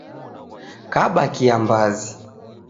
Kaba kiambazi.